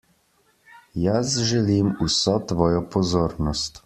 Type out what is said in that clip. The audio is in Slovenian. Jaz želim vso tvojo pozornost.